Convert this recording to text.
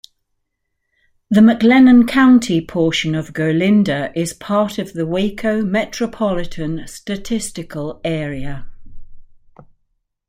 The McLennan County portion of Golinda is part of the Waco Metropolitan Statistical Area.